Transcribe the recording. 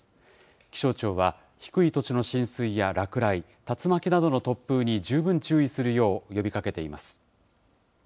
気象庁は、低い土地の浸水や落雷、竜巻などの突風に十分注意するよう呼びかけています。